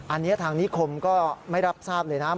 อันนี้ทางนิคมก็ไม่รับทราบเลยนะ